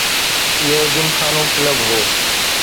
اهو جمخانو ڪلب هو.